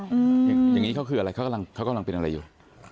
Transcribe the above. อย่างนี้เขาคืออะไรเขากำลังเป็นอะไรอยู่